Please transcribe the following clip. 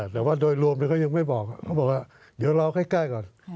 แต่ว่าโดยรวมเขายังไม่บอกเขาบอกว่าเดี๋ยวรอใกล้ก่อน